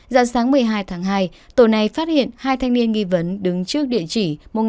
già sáng một mươi hai tháng hai tổ này phát hiện hai thanh niên nghi vấn đứng trước địa chỉ một nghìn năm trăm linh một